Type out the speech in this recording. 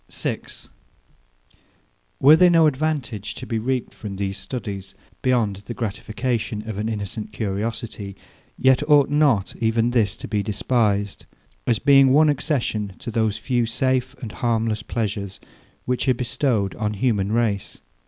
6. Were there no advantage to be reaped from these studies, beyond the gratification of an innocent curiosity, yet ought not even this to be despised; as being one accession to those few safe and harmless pleasures, which are bestowed on human race.